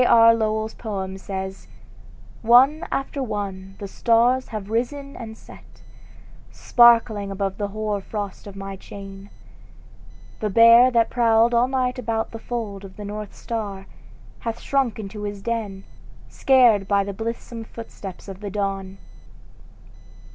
R. Lowell's poem, says: "One after one the stars have risen and set, Sparkling upon the hoar frost of my chain; The Bear that prowled all night about the fold Of the North star, hath shrunk into his den, Scared by the blithesome footsteps of the Dawn."